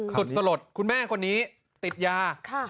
สุดสลดคุณแม่คนนี้ติดยา